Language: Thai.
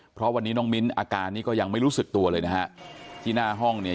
เพราะวันนี้น้องมิ้นอาการนี้ก็ยังไม่รู้สึกตัวเลยนะฮะที่หน้าห้องเนี่ย